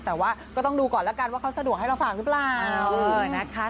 แต่ว่าก็ต้องดูก่อนแล้วกันว่าเขาสะดวกให้เราฝากหรือเปล่านะคะ